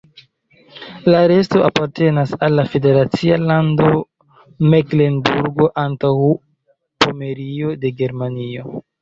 La resto apartenas al la federacia lando Meklenburgo-Antaŭpomerio de Germanio.